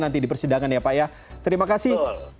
nanti di persidangan ya pak ya terima kasih